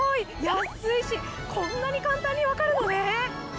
安いしこんなに簡単に分かるのね！